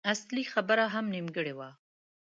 اصلي خبره هم نيمګړې وه.